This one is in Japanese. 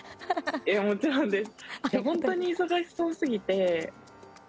もちろんです。